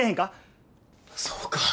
そうか。